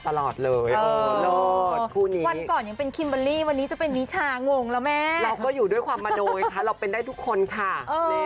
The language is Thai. เขาก็เลยเอามาจับฉลากครับ